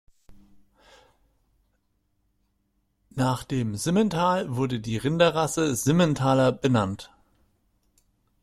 Nach dem Simmental wurde die Rinderrasse Simmentaler benannt.